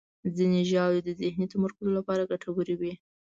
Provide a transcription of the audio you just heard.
ځینې ژاولې د ذهني تمرکز لپاره ګټورې وي.